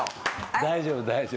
大丈夫大丈夫。